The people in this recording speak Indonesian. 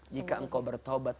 jika engkau bertobat